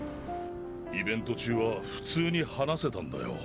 イベント中は普通に話せたんだよ。